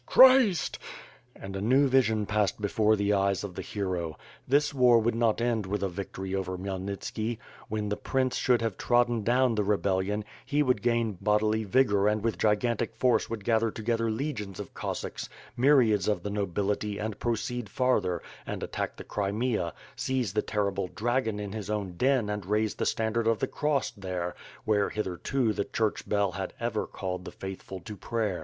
Christ!" And a new vision passed before the eyes of the hero. This war would not end with a victory over Khmyelnitski. When the prince should have trodden down the rebellion, he would gain bodily vigor and with gi gantic force would gather together legions of Cossacks, my riads of the nobility and proceed farther, and attack the Crimea, seize the terrible dragon in his own den and raise the standard of the Cross, there, where hitherto the church bell had ever called the faithful to prayer.